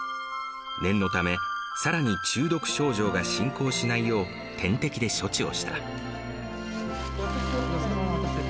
念のため、さらに中毒症状が進行しないよう、点滴で処置をした。